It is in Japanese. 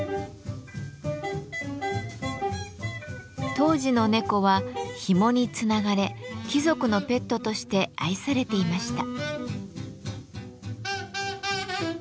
当時の猫はひもにつながれ貴族のペットとして愛されていました。